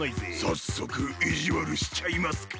さっそくいじわるしちゃいますか！